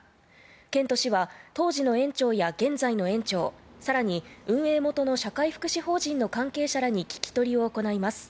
県と市は当時の園長や現在の園長さらに、運営元の社会福祉法人の関係者らに聞き取りを行います。